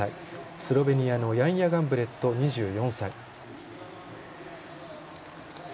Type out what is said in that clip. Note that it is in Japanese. スロベニアのヤンヤ・ガンブレット、２４歳。